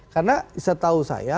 karena setahu saya